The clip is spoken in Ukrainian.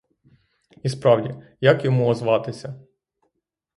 І справді, як йому озватися?